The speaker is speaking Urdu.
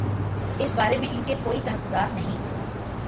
اس بارے میں ان کے کوئی تحفظات نہیں۔